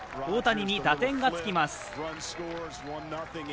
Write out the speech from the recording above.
大谷に打点がつきます。